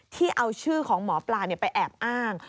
ที่เอาชื่อของหมอปลาไปแอบอ้าง